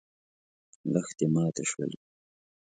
لښتې ماتې شولې.